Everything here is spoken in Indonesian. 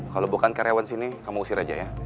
kalau bukan karyawan sini kamu usir aja ya